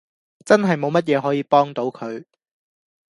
真係冇乜嘢可以幫到佢